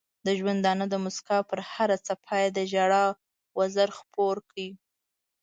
د ژوندانه د مسکا پر هره څپه یې د ژړا وزر خپور کړ.